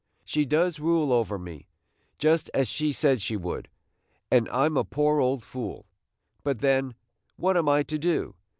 She does rule over me, just as she said she would, and I 'm a poor old fool; but then, what am I to do?